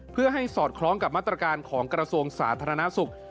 เพื่อให้สอดคล้องกับมาตรการของกระทรวงสาธารณสุข